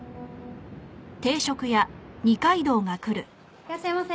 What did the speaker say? いらっしゃいませ。